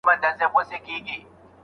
د هغه سن او روابط پټول روا نه دي.